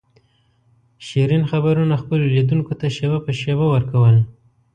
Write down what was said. شیرین خبرونه خپلو لیدونکو ته شېبه په شېبه ور کول.